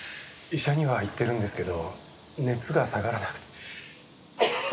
医者には行ってるんですけど熱が下がらなくて。